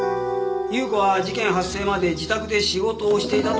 優子は事件発生まで自宅で仕事をしていたと主張している。